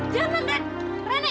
jangan ren reni